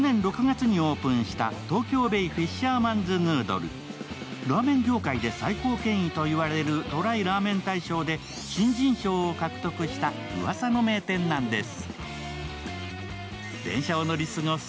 地元限定、貴重ないかのお刺身にラーメン業界で最高権威と言われるＴＲＹラーメン大賞で新人賞を獲得したうわさの名店なんです。